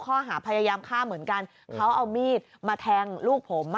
เขาอาหารพยายามข้ามเหมือนกันเขาเอามีดมาแทงลูกผมอ่ะ